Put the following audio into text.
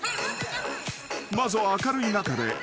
［まずは明るい中で］